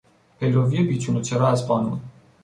پیروی بیچون و چرا از قانون